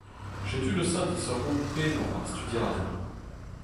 Setu neuze disoc'hoù pennañ ar studiadenn.